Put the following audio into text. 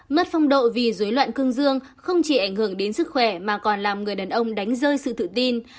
mất phong độ vì dối loạn cương dương không chỉ ảnh hưởng đến sức khỏe mà còn làm người đàn ông đánh rơi sự tự tin